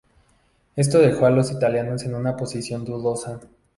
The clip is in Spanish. Esto dejó a los italianos en una posición dudosa.